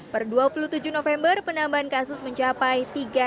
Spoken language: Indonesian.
per dua puluh tujuh november penambahan kasus mencapai tiga ratus sembilan puluh